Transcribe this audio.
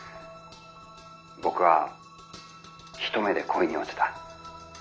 僕は一目で恋に落ちた。